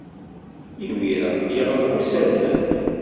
Imir-a, yeɣleq usalay.